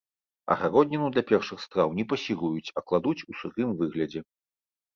Агародніну для першых страў не пасіруюць, а кладуць у сырым выглядзе.